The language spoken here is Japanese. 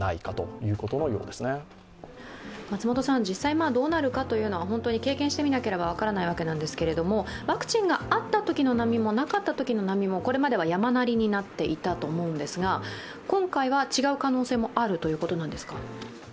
実際どうなるかというのは経験してみなければ分からないわけなんですけれども、ワクチンがあったときの波もなかったときの波もこれまでは山なりになっていたと思うんですが今回は違う可能性もあるということなんですか。